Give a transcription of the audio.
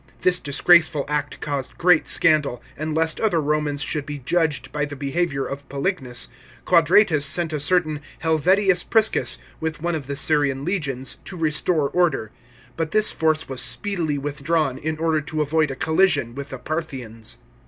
This disgraceful act caused great scandal, and lest other Romans should be judged by the behaviour of Pselisnus, Quadratus sent a certain Helvidius Priscus, with one of the Syrian legions, to restore order ; but this force was speedily withdrawn, in order to avoid a collision with the Parthians.